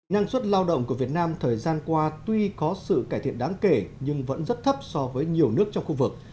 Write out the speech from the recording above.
năng suất lao động của việt nam thời gian qua tuy có sự cải thiện đáng kể nhưng vẫn rất thấp so với nhiều nước trong khu vực